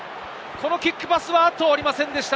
このキックパスは通りませんでした。